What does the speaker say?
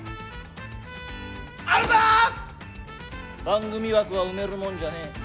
番組枠は埋めるもんじゃねえ。